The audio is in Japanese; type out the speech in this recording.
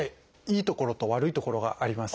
いいところと悪いところがあります。